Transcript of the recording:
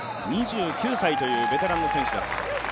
２９歳というベテランの選手です。